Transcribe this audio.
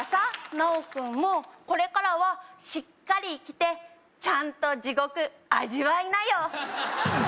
ナオ君もこれからはしっかり生きてちゃんと地獄味わいなよ